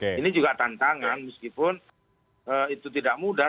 ini juga tantangan meskipun itu tidak mudah